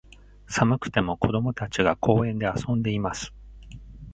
寒くても、子供たちが、公園で遊んでいます。